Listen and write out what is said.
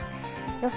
予想